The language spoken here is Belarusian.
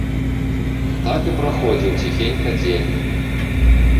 Так і праходзіў ціхенька дзень.